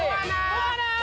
ほら！